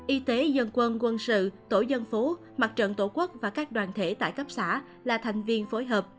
y tế dân quân quân sự tổ dân phố mặt trận tổ quốc và các đoàn thể tại cấp xã là thành viên phối hợp